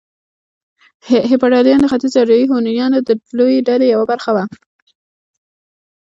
هېپتاليان د ختيځو اریایي هونيانو د لويې ډلې يوه برخه وو